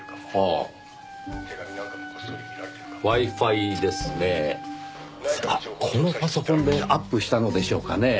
あっこのパソコンでアップしたのでしょうかねぇ？